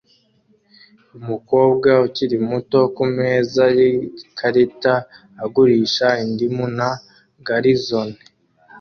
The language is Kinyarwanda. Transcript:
Umukobwa ukiri muto kumeza yikarita agurisha indimu na garizone